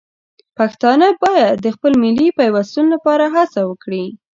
پښتانه باید د خپل ملي پیوستون لپاره هڅه وکړي.